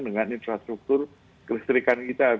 dengan infrastruktur kelektrikan kita